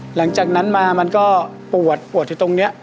หลังจากนั้นมามันก็ปวดปวดอยู่ตรงนี้